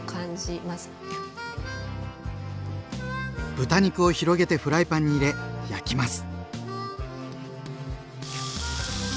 豚肉を広げてフライパンに入れ焼きます。